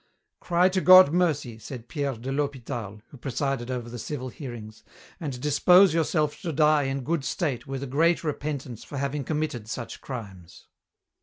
"Cry to God mercy," said Pierre de l'Hospital, who presided over the civil hearings, "and dispose yourself to die in good state with a great repentance for having committed such crimes."